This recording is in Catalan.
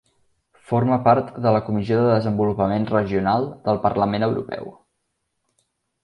Forma part de la Comissió de Desenvolupament Regional del Parlament Europeu.